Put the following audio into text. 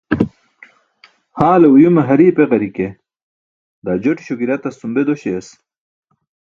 Haale uyume hari̇i̇p eġari̇ke daa joṭiśo gi̇ratas cum be dośayas